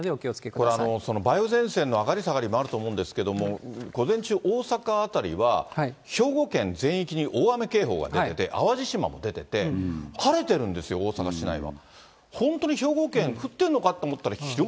これ、梅雨前線の上がり下がりもあると思うんですけれども、午前中、大阪辺りは兵庫県全域に大雨警報が出てて、淡路島も出てて、晴れてるんですよ、大阪市内は。